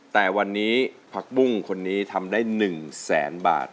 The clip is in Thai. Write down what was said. แต่วันนี้ผักบุ้งคนนี้ทำได้๑แสนบาท